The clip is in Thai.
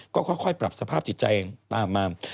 ก็ค่อยปรับสภาพจิตใจตามมา